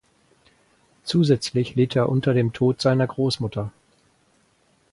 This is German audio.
Zusätzlich litt er unter dem Tod seiner Großmutter.